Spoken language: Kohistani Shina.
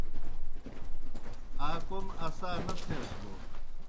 آ کوْم اسا نہ تھیس بوْ